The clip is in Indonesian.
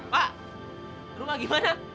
pak rumah gimana